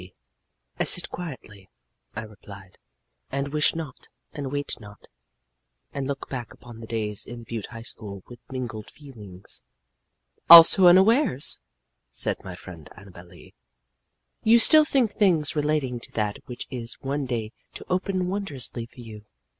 "I sit quietly," I replied, "and wish not, and wait not and look back upon the days in the Butte High School with mingled feelings." "Also unawares," said my friend Annabel Lee, "you still think things relating to that which is one day to open wondrously for you.